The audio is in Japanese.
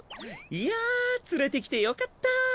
いや連れてきてよかった。